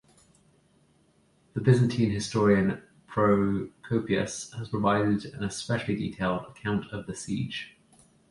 The Byzantine historian Procopius has provided an especially detailed account of the siege.